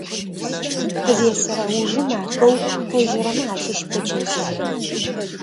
Къызесырэ ужым апэу къежьэрэмэ ащыщ бэджэжъыер.